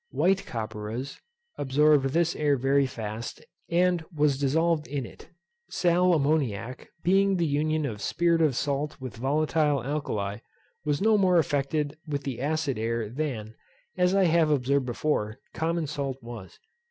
White copperas absorbed this air very fast, and was dissolved in it. Sal ammoniac, being the union of spirit of salt with volatile alkali, was no more affected with the acid air than, as I have observed before, common salt was.